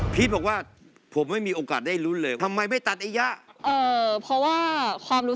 พีชบอกว่าผมไม่มีโอกาสได้ลุนเลยทำไมไม่ตัดไอ้ยะ